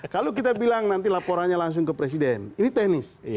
kalau kita bilang nanti laporannya langsung ke presiden ini teknis